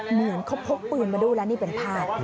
เหมือนเขาพกปืนมาด้วยแล้วนี่เป็นภาพ